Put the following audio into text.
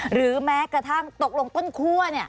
หรือแม้กระทั่งตกลงต้นคั่ว